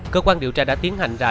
cơ quan điều tra đã tiến hành ra